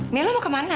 mil lu mau kemana